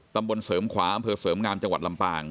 ตำบลเสริมขวาอำเภอเสริมงามจังหวัดลำปาง